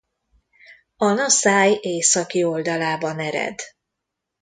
A Naszály északi oldalában ered.